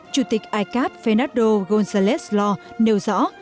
chủ tịch icap fernando guterres los nêu rõ